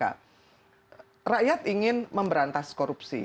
ya rakyat ingin memberantas korupsi